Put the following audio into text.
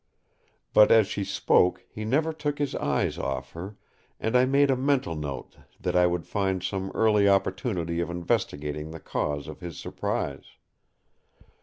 But as she spoke he never took his eyes off her; and I made a mental note that I would find some early opportunity of investigating the cause of his surprise.